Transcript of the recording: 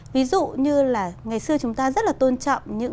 ví dụ như là ngày xưa chúng ta rất là tôn trọng những